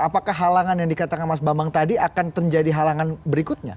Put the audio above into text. apakah halangan yang dikatakan mas bambang tadi akan terjadi halangan berikutnya